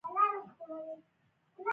عرضه کوونکي د وخت پابندي مهم ګڼي.